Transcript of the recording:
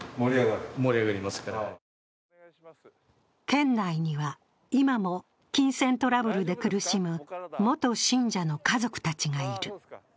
県内には今も、金銭トラブルで苦しむ元信者の家族たちがいる。